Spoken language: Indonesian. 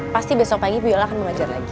pasti besok pagi viola akan mengajar lagi